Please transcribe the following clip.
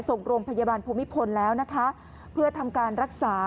ส่งโรงพยาบาลภูมิพลแล้วนะคะเพื่อทำการรักษา